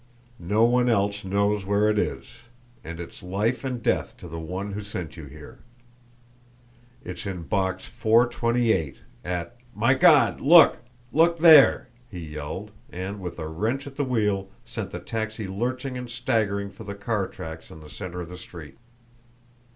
no one else knows where it is, and it's life and death to the one who sent you here. It's in Box 428 at My God, LOOK! Look there!" he yelled, and, with a wrench at the wheel, sent the taxi lurching and staggering for the car tracks in the centre of the street.